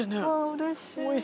うれしい！